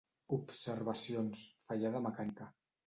Observacions: fallada mecànica.